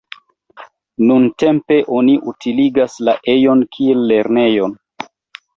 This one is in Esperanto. Nuntempe oni utiligas la ejon kiel lernejon.